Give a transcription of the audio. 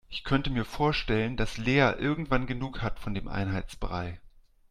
Ich könnte mir vorstellen, dass Lea irgendwann genug hat von dem Einheitsbrei.